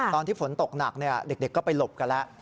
ตอนที่ฝนตกหนักเด็กก็ไปหลบกันแล้ว